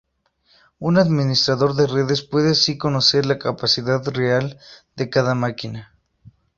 Un administrador de redes puede así conocer la capacidad real de cada máquina.